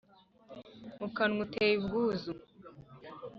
mu kanwa uteye ubwuzu.